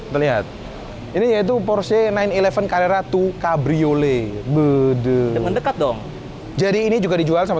terlihat ini yaitu porsche sembilan ratus sebelas calera tour cabriolet beneran dekat dong jadi ini juga dijual sama